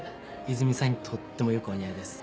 泉さんにとってもよくお似合いです。